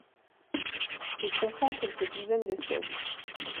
Il comprend quelques douzaines d'espèces.